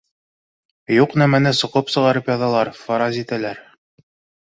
Юҡ нәмәне соҡоп сығарып яҙалар, фараз итәләр